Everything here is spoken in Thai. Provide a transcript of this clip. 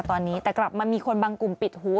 ตอนนี้แต่กลับมามีคนบางกลุ่มปิดหัว